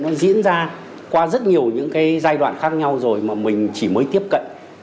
nó diễn ra qua rất nhiều những cái giai đoạn khác nhau rồi mà mình chỉ mới tiếp cận